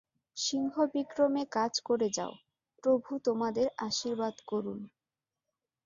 সিংহবিক্রমে কাজ করে যাও, প্রভু তোমাদের আশীর্বাদ করুন।